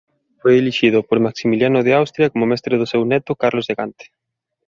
Foi elixido por Maximiliano de Austria como mestre do seu neto Carlos de Gante.